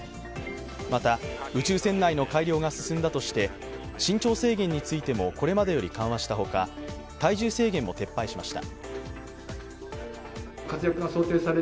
また、宇宙船内の改良が進んだとして、身長制限についてもこれまでよりも緩和したほか体重制限も撤廃しました。